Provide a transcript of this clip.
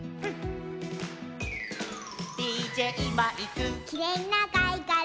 「ＤＪマイク」「きれいなかいがら」